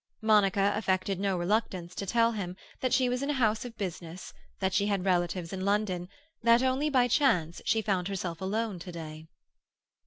Monica affected no reluctance to tell him that she was in a house of business, that she had relatives in London, that only by chance she found herself alone to day.